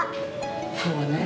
そうねえ。